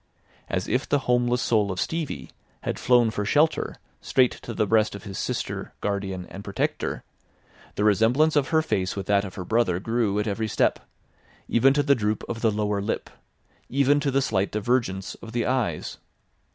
As if the homeless soul of Stevie had flown for shelter straight to the breast of his sister, guardian and protector, the resemblance of her face with that of her brother grew at every step, even to the droop of the lower lip, even to the slight divergence of the eyes.